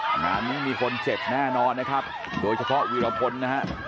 งานนี้มีคนเจ็บแน่นอนนะครับโดยเฉพาะวีรพลนะฮะ